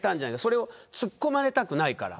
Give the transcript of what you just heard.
それを突っ込まれたくないから。